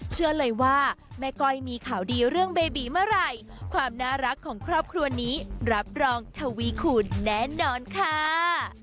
เชื่อเลยว่าแม่ก้อยมีข่าวดีเรื่องเบบีเมื่อไหร่ความน่ารักของครอบครัวนี้รับรองทวีคูณแน่นอนค่ะ